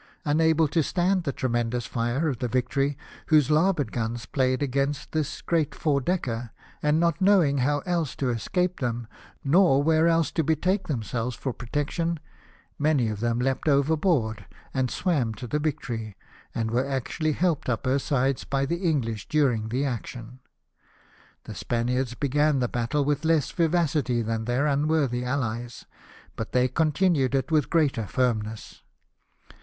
Unable to stand the tremendous tire of the Victory, whose larboard guns played against this great four decker, and not knowing how else to escape them, nor where else to betake themselves for protection, many of them leapt overboard and swam to the Victory, and were actually helped up her sides by the English during the action. The Spaniards began the battle with less vivacity than their un worthy allies, but they continued it with greater firmness.